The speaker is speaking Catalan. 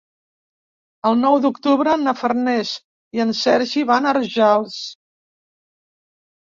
El nou d'octubre na Farners i en Sergi van a Rojals.